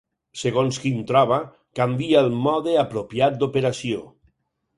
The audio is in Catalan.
Segons quin troba, canvia el mode apropiat d'operació.